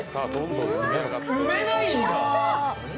埋めないんだ。